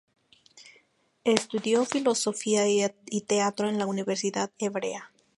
Estudió filosofía y teatro en la Universidad Hebrea.